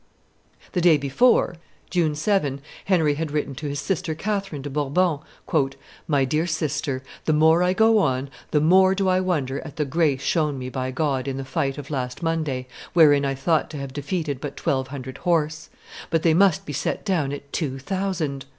The day before, June 7, Henry had written to his sister Catherine de Bourbon, "My dear sister, the more I go on, the more do I wonder at the grace shown me by God in the fight of last Monday, wherein I thought to have defeated but twelve hundred horse; but they must be set down at two thousand.